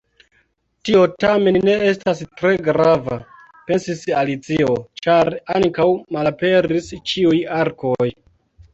"Tio tamen ne estas tre grava," pensis Alicio, "ĉar ankaŭ malaperis ĉiuj arkoj."